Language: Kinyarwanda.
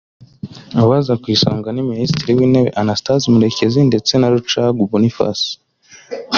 Abaza ku isonga ni Minisitiri w’intebe Anastaze Murekezi ndetse na Rucagu Boniface